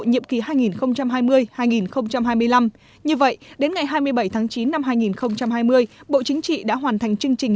nhiệm kỳ hai nghìn hai mươi hai nghìn hai mươi năm như vậy đến ngày hai mươi bảy tháng chín năm hai nghìn hai mươi bộ chính trị đã hoàn thành chương trình